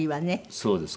そうです。